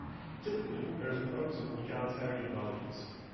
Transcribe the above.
Typically, there is a focus on egalitarian values.